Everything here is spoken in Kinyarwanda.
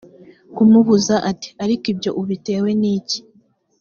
kumubuza ati ariko ibyo ubitewe ni iki